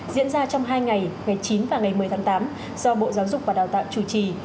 diễn ra trong hai ngày ngày chín và ngày một mươi tháng tám do bộ giáo dục và đào tạo chủ trì